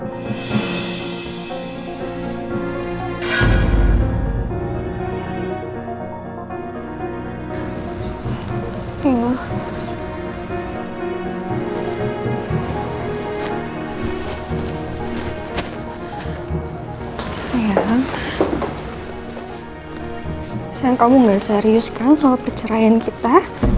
sayang kamu gak serius kan soal perceraian kita